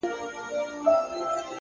مينه مني ميني څه انكار نه كوي.